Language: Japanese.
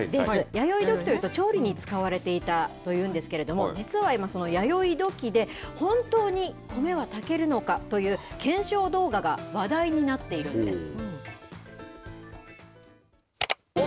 弥生土器というと、調理に使われていたというんですが、実は今、その弥生土器で、本当に米は炊けるのかという、検証動画が話題になっているんです。